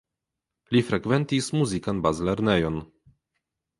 Li frekventis muzikan bazlernejon.